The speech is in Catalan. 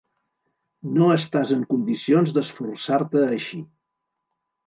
No estàs en condicions d'esforçar-te així.